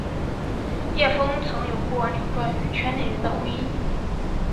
叶枫曾有过两段与圈内人的婚姻。